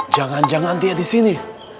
jangan jangan dia disini